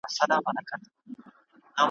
چي د آس پر ځای چا خر وي درولی ,